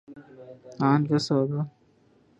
ان کا سودا؟